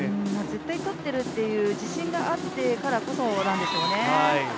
絶対とってるっていう自信があってからこそなんでしょうね。